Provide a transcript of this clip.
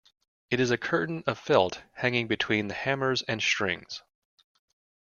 It is a curtain of felt hanging between the hammers and strings.